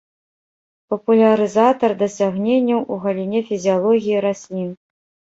Папулярызатар дасягненняў у галіне фізіялогіі раслін.